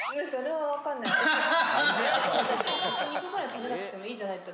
別に肉ぐらい食べなくてもいいじゃないって